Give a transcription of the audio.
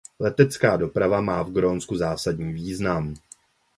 Letecká doprava má v Grónsku zásadní význam.